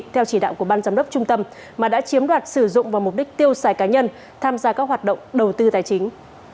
theo chỉ đạo của ban giám đốc trung tâm mà đã chiếm đoạt sử dụng vào mục đích tiêu xài cá nhân tham gia các hoạt động đầu tư tài chính